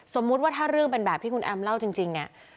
สมมุติว่าถ้าเรื่องเป็นแบบที่คุณแอมเล่าจริงเนี่ย